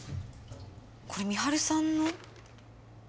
これ美晴さんの？